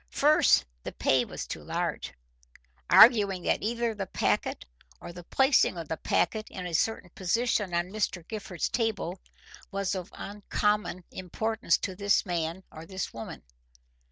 First, the pay was too large, arguing that either the packet or the placing of the packet in a certain position on Mr. Gifford's table was of uncommon importance to this man or this woman.